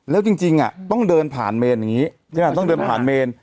แล้วจริงต้องเดินผ่านเมนอย่างนี้ใช่ไหมต้องเดินผ่านเมน